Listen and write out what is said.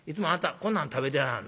こんなん食べてはんの？